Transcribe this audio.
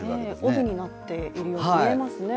帯になっているように見えますね。